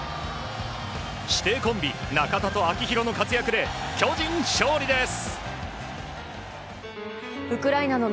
師弟コンビ中田と秋広の活躍で巨人、勝利です。